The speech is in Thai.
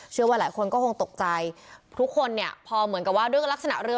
ว่าหลายคนก็คงตกใจทุกคนเนี่ยพอเหมือนกับว่าด้วยลักษณะเรือ